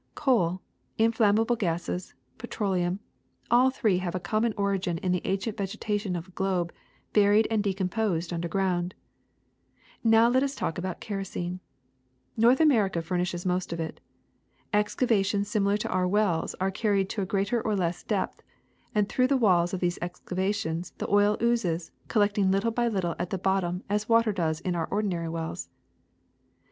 Coal, inflammable gases, petroleum, all three have a common origin in the ancient vegetation of the globe buried and decom posed underground. ^^Now let us talk about kerosene. North America furnishes most of it. Excavations similar to our wells are carried to a greater or less depth, and through the walls of these excavations the oil oozes, collecting little by little at the bottom as water does in our ordinary wells.